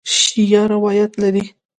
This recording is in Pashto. شیعه روایت لري.